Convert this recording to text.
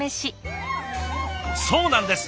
そうなんです！